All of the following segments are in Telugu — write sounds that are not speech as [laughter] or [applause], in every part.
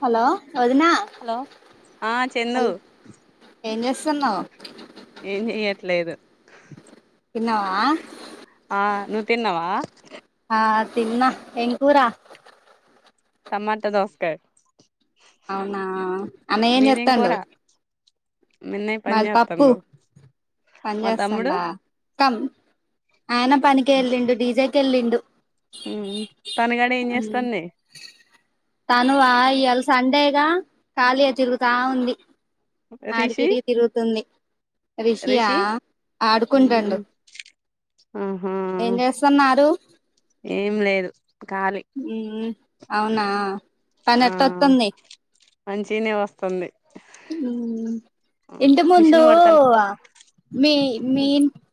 హలో వదిన హలో ఆ చందు ఏం చేస్తున్నావు లేదు తిన్నావా ఆ నువ్వు తిన్నవా ఆ తిన్న ఎమ్ కూర టమాటా దోసకాయ్ అవునా అన్నయ ఏం మీదేం చెత్తాండో కూర మీ అన్నయ్య పని మాది పప్పు చేత్తండు పని మా తమ్ముడు చేస్తాండా కమ్ ఆయన పనికి ఎల్లిండు డిజె తెల్లిండు మ్మ్ తనుగాడు ఏం చేస్తాంది తను ఆ ఎల్ సండేగా ఖాళీయే తిరుగుతా ఉంది ఆడికి రిషి ఈటికి తిరుగుతుంది రిషి యా మ్మ్ ఆడుకుంటాండు ఆహా ఏం చేస్తున్నారు ఏం లేదు ఖాళీ హ్మ్ అవునా తను ఎట్టోత్తుంది మంచినే వస్తుంది ఇంటి మిషన్ ముందు కొడతాను మీ మీ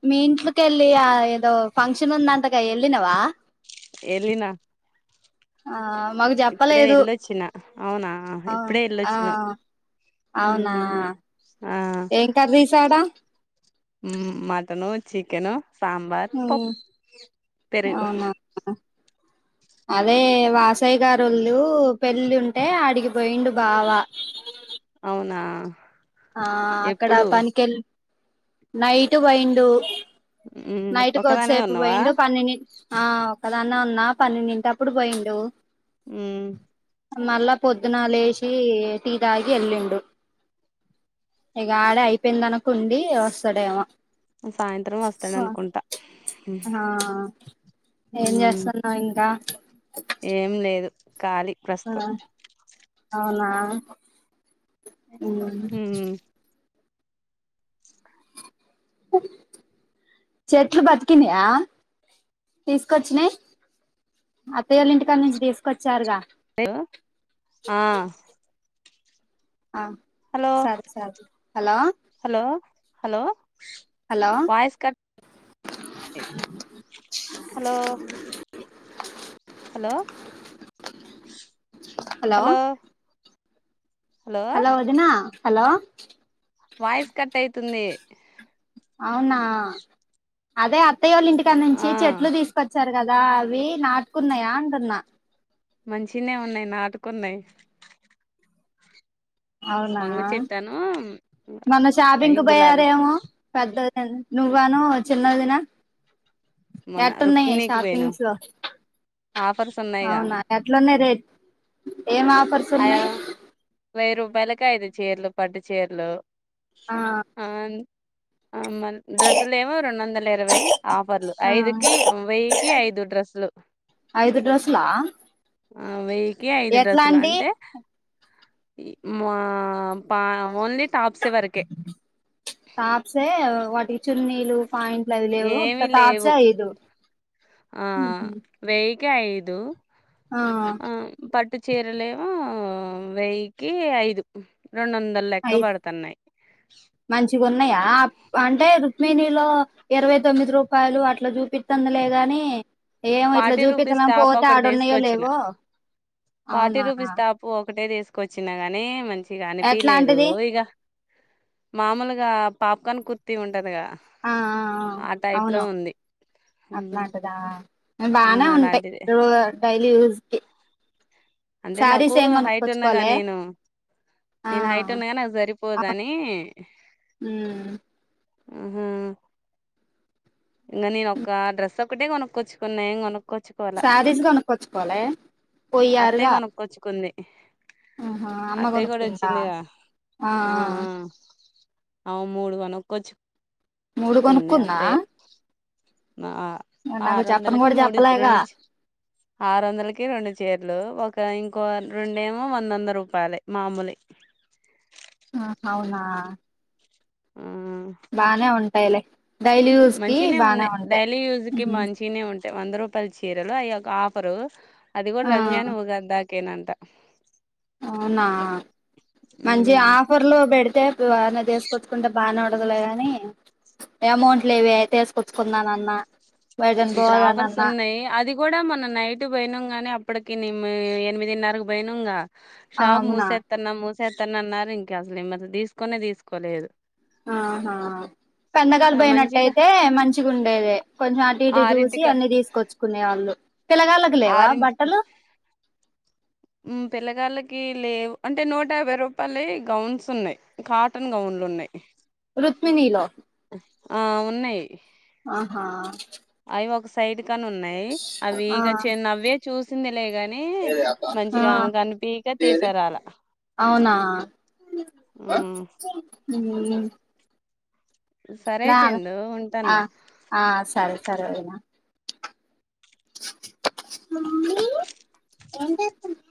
మీ ఇంట్ల కెళ్ళి ఆ ఏదో ఫంక్షన్ ఉందంటగా ఎల్లినవా ఎల్లినా ఆ మాకు చెప్పలేదు వెళ్ళొచ్చిన అవునా ఆ ఇప్పుడే ఆ వెళ్ళొచ్చినవ్ అవునా మ్మ్ ఆ ఏం కర్రీస్ అడా మటను చికెను సాంబార్ ఉమ్, పప్ పెరుగు అవునా అదే వాసయ్య గారొళ్ళు పెళ్ళి ఉంటే ఆడిగిపోయిండు బావ అవునా ఆ అక్కడ ఎప్పుడు పనికెల్ నైటు బోయిండు మ్మ్ నైటు ఒకదానివే కొద్దిసేపు ఉన్నావా పోయిండు పన్నెండి ఆ ఒక్కదాన్నే ఉన్నా పన్నెండింటప్పుడు పోయిండు మ్మ్ మళ్ళా పొద్దునాలే చ్చి టీ తాగి ఎళ్ళిండు ఇగ ఆడే అయిపోయిందనుకుండి వస్తడేమో సాయంత్రం వస్తాడు అనుకుంటా ఆ ఏం మ్మ్ చేస్తున్నావ్ ఇంకా ఏం లేదు ఖాళీ ఆ ప్రస్తుతం అవునా ఆ ఉ మ్మ్ చెట్లు బతికినయా తీసుకొచ్చినయి అత్తయోల్ల ఇంటికాని నుంచి తీసుకొచ్చారుగా ఆ ఆ హలో సరే సరే hello hello hello hello voice cut hello hello hello hello వదిన హలో వాయిస్ కట్ అయితుంది అవునా అదే అత్తయ్య యోల ఇంటి కా నుంచి ఆ చెట్లు తీసుకచ్చ చారు కదా అవి నాటుకున్నాయా అంటున్నా మంచిగానే ఉన్నాయి నాటుకున్నాయి అవునా వంగ చెట్టాను మొన్న షాపింగ్ అయి కు గులాబీ పోయారేమో పెద్ద నువ్వాను చిన్నదిన మొన్న ఎట్టున్నాయి రుక్మిణికి పోయినం షాపింగ్స్ ఆఫర్స్ ఉన్నాయిగా అవునా ఎట్లున్నాయి రేట్ ఏం ఆఫర్స్ అ ఉన్నయి వెయ్యి రూపాయలకి ఐదు చీరలు పట్టు చీరలు ఆ ఆ మరి డ్రెస్సులు ఏమో రెండు వందల ఇరవై ఆఫర్లు ఆ ఐదుకి వెయ్యికి ఐదు డ్రెస్సులు ఆ ఆ వెయ్యి కి ఐదు డ్రస్సులు అంటే మా పా ఓన్లీ టాప్స్ వరకే టాప్స్ ఎ వా ఈ చున్నీలు పాయింట్లు అవి లేవు ఉత్త ఏమి టాప్స్ లేవు ఐదు ఒకే ఐదు ఆ ఆ పట్టు చీరలేమొ వెయ్యకి ఐదు రెండు వందలు లెక్క పడుతున్నాయి ఇ ఉన్నాయా అంటే రుక్మిణిలో ఇరవై తొమ్మిది రూపా రూపాయలు అట్ల చూపిత్తానందిలే కని ఏమో ఇట్లా ఫార్టీ రూపీస్ చూపించాల టాప్ పోతే ఒకటి ఆడన్నాయో తీసుకొచ్చిన లేవో ఫార్టీ అవునా రూపీస్ టాప్ ఒకటే తీసుకొచ్చిన గాని మంచి అనిపిలేదు ఎట్లాంటిది ఇగ మామూలుగా పాప్కార్న్ కుర్తీ ఉం టది గా ఆ ఆ టైప్ లో అవును ఉంది ఆ బాగానే అలాంటిది ఉంటాయి డైలీ ఉస్ కి అంటే శారీస్ నాకు ఏం హైట్ ఉన్నగా కొనుక్కొచ్చుకోలే నేను ఆ నేను హైట్ ఉన్నగా నాకు అవ్- సరిపోదని ఉమ్ ఆహా ఇంకా నేను ఒకక్క డ్రెస్ ఒక్కటే కొనక్కొచ్చుకున్నా ఎం కొను శారీస్ కొనుక్కొచ్చుకోలే అత్తయ్య పోయ్యారుగా [inaudible] ఆహా అమ్మ అత్తయ్య కూడా కొనుక్కుందా వచ్చిందిగా ఆ ఆ ఆ అమే మూడు కొనక్కొచ్చు మూడు కొనుక్కుందా నాకు ఆరు చెప్పను వందలకి కూడా మూడు చెప్పలేగా రెండు చి ఆరు వందలకి రెండు చీరలు ఒక ఇ ఇంకో రెండేమో వంద వంద రూపాయలు మామూలుయి ఆ అవునా బాగానే ఉం టాయి లే మంచినే ఉన్నాయ్ డైలీ యూజ్ కి ఉమ్ మంచినే ఉంటా వంద రూపాయల చీరలు అయొక ఆఫరు అది కూడా ఆ రంజాన్ ఉగాది దాకా కేనాంటా అవునా మంచి ఉమ్, ఆఫర్లు పెడితే న తీసుకొచ్చుకుంటే బాగానే ఉ లే కాని అమౌంట్లువే తీసుకొచ్చుకున్నానన్న ఇక్కడ ఆఫర్స్ ఉన్నాయి అది కూడా మొన్న నైట్ పోయినం గనీ అప్పటికి కిని ఎనిమిదిన్నరకు పోయినంగా ఆ షాబ్ అవునా మూసేత్తన్నా మూస చేతన అన్నారు ఇంకా అసలుమ తీసుకుొనే తీసుకోలేదు ఆహా పెందగాలు ఆ మంచిగా పోయినట్టయితే మంచిగా ఉండేది కొంచెం ఇటి చూసి ఆరింటికి అన్ని తీసుకొచ్చుకునే వాళ్ళు పిలగాళకు లేవా బట్టలు పిల్లగాళ్లకి లేవు అంటే నూట యాభై రూపాయలు గౌన్స్ ఉన్నాయి కాటన్ గౌన్లు ఉన్నాయి రుత్మినీలో ఆ ఉన్నాయి ఆహా సైడు క్కనున్నాయి అవి ఆ ఇగ చిన్నవే చూసిందిలే గాని ఆ మంచిగా ఆమె కనిపీక తీసారు అలా అవునా ఊ ఊ ఉ సరే లాను చందు ఆ ఉంటాన్న ఆ సరే సరే వదినా మమ్మీ ఏం చేస్తున్నావ్